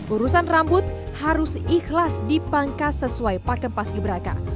urusan rambut harus ikhlas dipangkas sesuai pakepun